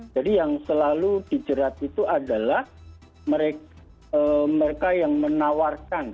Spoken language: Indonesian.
jadi yang selalu dijerat itu adalah mereka yang menawarkan